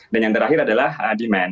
yang terakhir adalah demand